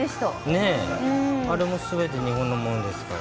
ねえ、あれもすべて日本のものですから。